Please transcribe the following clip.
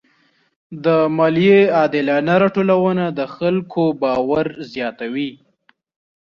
د مالیې عادلانه راټولونه د خلکو باور زیاتوي.